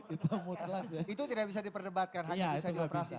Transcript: itu tidak bisa diperdebatkan hanya bisa dioperasi saja